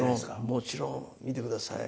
もちろん見て下さい。